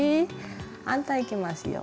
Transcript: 反対いきますよ。